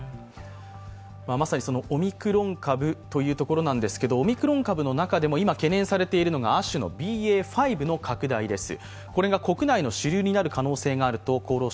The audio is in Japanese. まさに、そのオミクロン株というところなんですけれども、そのオミクロン株の中でも今、懸念されているのが亜種のＢＡ．５の拡大です。